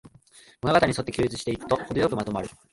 物語にそって記述していくと、ほどよくまとまる